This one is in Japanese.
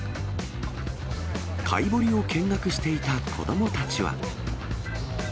かい掘りを見学していた子どもたちは。